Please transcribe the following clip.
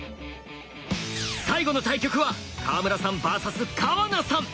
最後の対局は川村さんＶＳ川名さん。